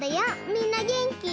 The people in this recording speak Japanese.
みんなげんき？